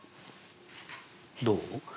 どう？